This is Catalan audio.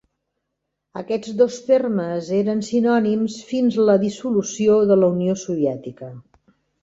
Aquests dos termes eren sinònims fins la dissolució de la Unió Soviètica.